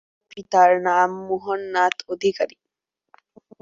তাঁর পিতার নাম মোহন নাথ অধিকারী।